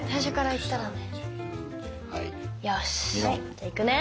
じゃあいくね。